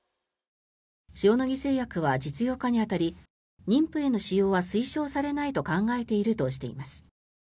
塩野義製薬は実用化に当たり妊婦への使用は推奨されないと考えているとしています。